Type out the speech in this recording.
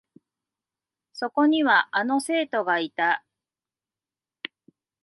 そこには、あの生徒がいた。